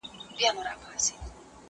زه کولای سم ږغ واورم!؟